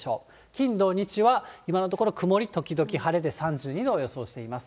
金、土、日は今のところ曇り時々晴れで、３２度を予想しています。